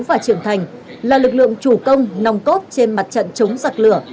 và trưởng thành là lực lượng chủ công nòng cốt trên mặt trận chống giặc lửa